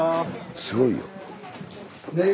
すごいよ。